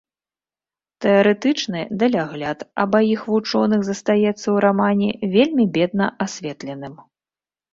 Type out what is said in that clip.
Тэарэтычны далягляд абаіх вучоных застаецца ў рамане вельмі бедна асветленым.